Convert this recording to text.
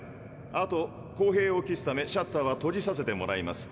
あと公平を期すためシャッターは閉じさせてもらいます。